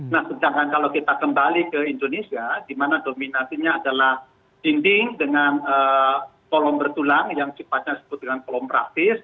nah sedangkan kalau kita kembali ke indonesia di mana dominasinya adalah dinding dengan kolom bertulang yang cepatnya disebut dengan kolom praksis